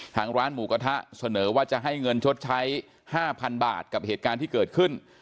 ทางร้านหมูกระทะเสนอว่าจะให้เงินชดใช้๕๐๐๐บาทกับเหตุการณ์ที่เกิดขึ้น